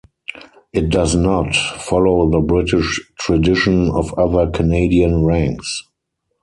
It does not follow the British tradition of other Canadian ranks.